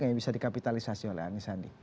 ini bisa dikapitalisasi oleh anisandi